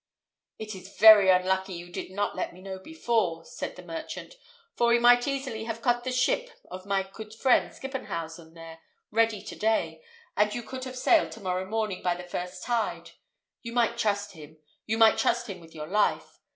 "It is very unlucky you did not let me know before," said the merchant, "for we might easily have cot the ship of my coot friend Skippenhausen there ready to day, and you could have sailed to morrow morning by the first tide. You might trust him; you might trust him with your life.